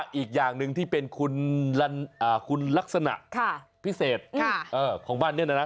อีกอย่างหนึ่งที่เป็นคุณลักษณะพิเศษของบ้านเนี่ยนะ